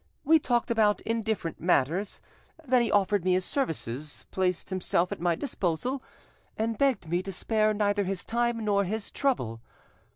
We talked about indifferent matters, then he offered me his services, placed himself at my disposal, and begged me to spare neither his time nor his trouble.